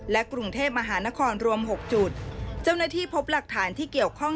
กรุงเทพมหานครรวมหกจุดเจ้าหน้าที่พบหลักฐานที่เกี่ยวข้อง